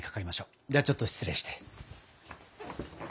ではちょっと失礼して。